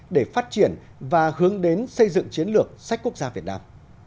để phát triển và hướng đến xây dựng chiến lược sách quốc gia việt nam